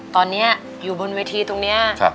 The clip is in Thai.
ตอนนี้อยู่บนเวทีตรงนี้